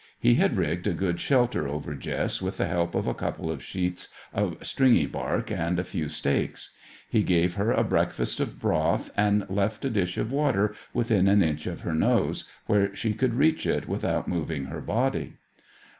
He had rigged a good shelter over Jess with the help of a couple of sheets of stringy bark and a few stakes. He gave her a breakfast of broth, and left a dish of water within an inch of her nose, where she could reach it without moving her body.